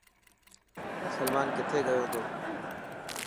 سلمان ڪٿي گيو تو.